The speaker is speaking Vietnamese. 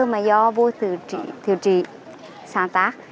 mà do vô thiệu trí sáng tạo